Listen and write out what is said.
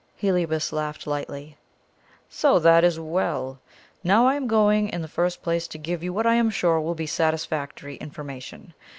Heliobas laughed lightly. "So! that is well. Now I am going in the first place to give you what I am sure will be satisfactory information.